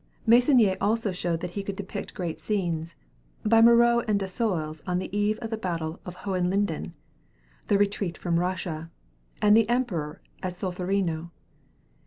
Meissonier also showed that he could depict grand scenes, by "Moreau and Dessoles on the eve of the battle of Hohenlinden," the "Retreat from Russia," and the "Emperor at Solferino."